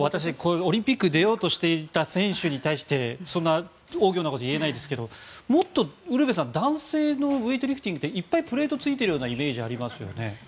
オリンピックを出ようとしていた選手に対してそんな大きなことは言えないですけどもっとウルヴェさん、男性のウエイトリフティングっていっぱいプレートがついているイメージありますよね。